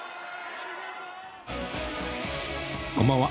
こんばんは。